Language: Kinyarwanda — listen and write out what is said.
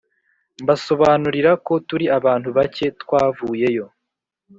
Mbasobanurira ko turi abantu bake twavuyeyo